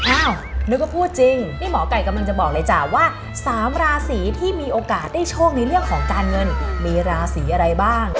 อ้าวนึกว่าพูดจริงนี่หมอไก่กำลังจะบอกเลยจ้ะว่า๓ราศีที่มีโอกาสได้โชคในเรื่องของการเงินมีราศีอะไรบ้าง